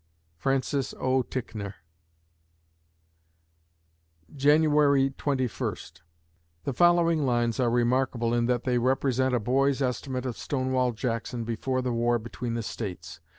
FRANCIS O. TICKNOR January Twenty First The following lines are remarkable in that they represent a boy's estimate of Stonewall Jackson before the war between the States.